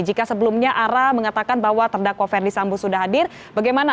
jika sebelumnya ara mengatakan bahwa terdakwa ferdi sambo sudah hadir bagaimana